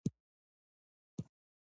فلالوژي د دوو کلمو څخه جوړه سوې ده.